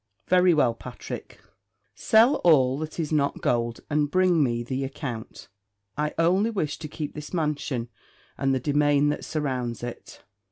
"Very well, Patrick; sell all that is not gold; and bring me the account. I only wish to keep this mansion and the demesne that surrounds it."